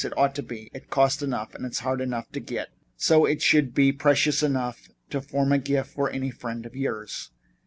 It ought to be. It cost enough and was hard enough to get, so it should be precious enough to form a gift for any friend of yours."